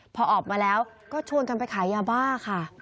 พอออกมาแล้วก็ชวนกันไปขายยาบ้าค่ะ